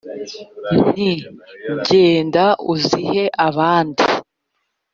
Nti: "Genda uzihe abandi